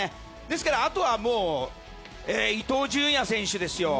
ですから、あとは伊東純也選手ですよ。